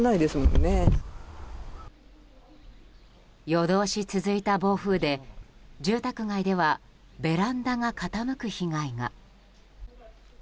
夜通し続いた暴風で住宅街ではベランダが傾く被害が。